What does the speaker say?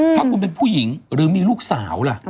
ถ้าคุณเป็นผู้หญิงหรือมีลูกสาวล่ะ